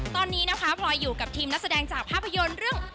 ตอนนี้นะคะพลอยอยู่กับทีมนักแสดงจากภาพยนตร์เรื่อง